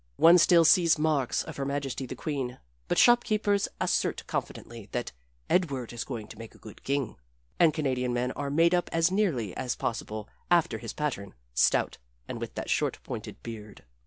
One still sees marks of her majesty the queen but shop keepers assert confidently that "Edward is going to make a good king," and Canadian men are made up as nearly as possible after his pattern, stout and with that short pointed beard.